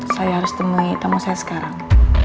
saya harus temui tamu saya sekarang